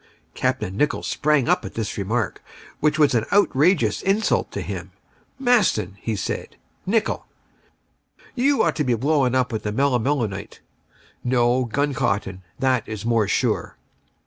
Capt. Nicholl sprang up at this remark, which was an outrageous insult to him. "Maston!" said he. "Nicholl!" "You ought to be blown up with the melimelonite." "No, gun cotton; that is more sure."